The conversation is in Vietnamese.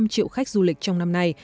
năm triệu khách du lịch trong năm nay